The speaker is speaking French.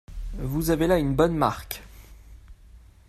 Vous avez là une bonne marque.